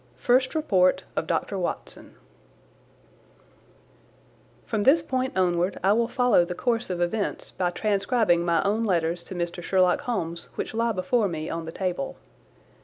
First Report of Dr. Watson From this point onward I will follow the course of events by transcribing my own letters to Mr. Sherlock Holmes which lie before me on the table.